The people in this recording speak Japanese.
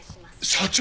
社長！